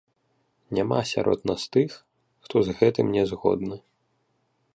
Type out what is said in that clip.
Няма сярод нас тых, хто з гэтым нязгодны!